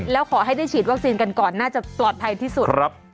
แล้วขอให้ได้ฉีดวัคซีนกันก่อนน่าจะปลอดภัยที่สุด